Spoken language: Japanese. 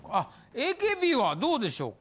ＡＫＢはどうでしょうか？